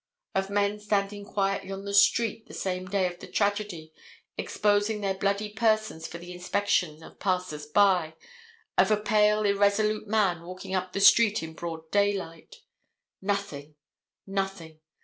Of men standing quietly on the street the same day of the tragedy, exposing their bloody persons for the inspection of passersby, of a pale, irresolute man walking up the street in broad daylight. Nothing, nothing.